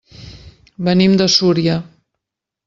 Venim de Súria.